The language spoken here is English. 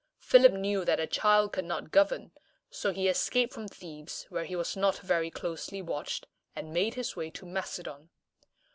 Philip knew that a child could not govern: so he escaped from Thebes, where he was not very closely watched, and made his way to Macedon.